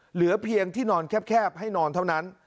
เหลือเพียงที่นอนแคบให้นอนเท่านั้น